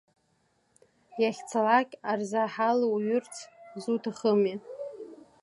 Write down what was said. Иахьцалак арзаҳал уҩырц зуҭахыми?